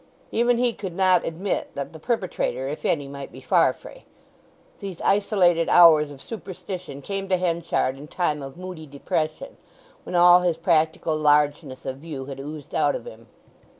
Even he could not admit that the perpetrator, if any, might be Farfrae. These isolated hours of superstition came to Henchard in time of moody depression, when all his practical largeness of view had oozed out of him.